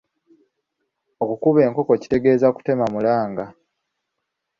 Okukuba enkooka kitegeeza kutema mulanga.